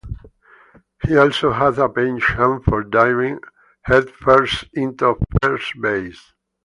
He also had a penchant for diving headfirst into first base.